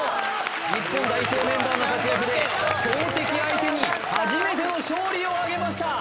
日本代表メンバーの活躍で強敵相手に初めての勝利を挙げました！